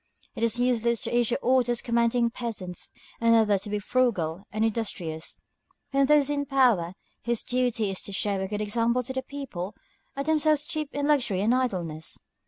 "It is useless to issue orders commanding peasants and others to be frugal and industrious, when those in power, whose duty it is to show a good example to the people, are themselves steeped in luxury and idleness."